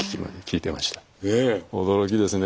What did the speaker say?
驚きですね